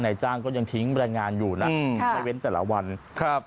จ้างก็ยังทิ้งแรงงานอยู่น่ะอืมไม่เว้นแต่ละวันครับ